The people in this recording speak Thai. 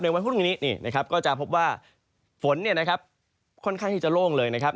วันพรุ่งนี้นะครับก็จะพบว่าฝนเนี่ยนะครับค่อนข้างที่จะโล่งเลยนะครับ